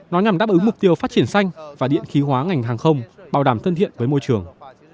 nó nhằm đáp ứng mục tiêu phát triển xanh và điện khí hóa ngành hàng không bảo đảm thân thiện với môi trường